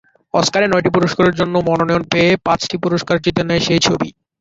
অস্কারে নয়টি পুরস্কারের জন্য মনোনয়ন পেয়ে পাঁচটি পুরস্কার জিতে নেয় সেই ছবি।